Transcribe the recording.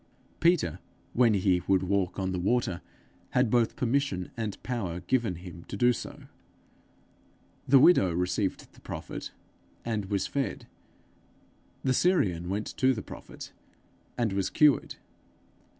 Peter, when he would walk on the water, had both permission and power given him to do so. The widow received the prophet, and was fed; the Syrian went to the prophet, and was cured.